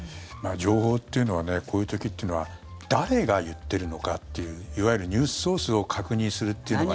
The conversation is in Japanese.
情報っていうのはこういう時というのは誰が言ってるのかっていういわゆるニュースソースを確認するというのがね。